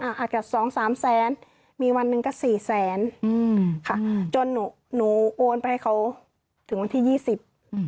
อาจจะสองสามแสนมีวันหนึ่งก็สี่แสนอืมค่ะจนหนูหนูโอนไปให้เขาถึงวันที่ยี่สิบอืม